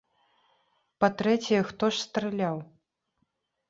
Па-трэцяе, хто ж страляў?